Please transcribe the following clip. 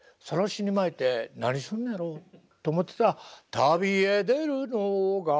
晒に巻いて何すんのやろと思ってたら「旅へ出るのが」